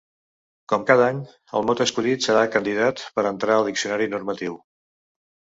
Com cada any, el mot escollit serà candidat per a entrar al diccionari normatiu.